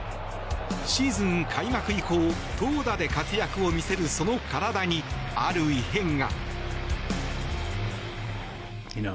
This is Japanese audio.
シーズン開幕以降投打で活躍を見せるその体にある異変が。